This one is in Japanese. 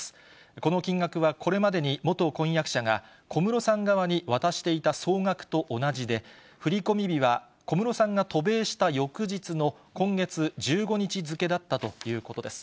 この金額はこれまでに元婚約者が、小室さん側に渡していた総額と同じで、振り込み日は小室さんが渡米した翌日の、今月１５日付だったということです。